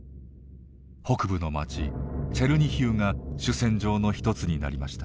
北部の町チェルニヒウが主戦場の一つになりました。